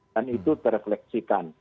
dan itu terefleksikan